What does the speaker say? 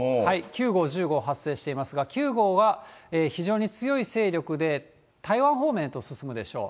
９号、１０号、発生していますが、９号は非常に強い勢力で台湾方面へと進むでしょう。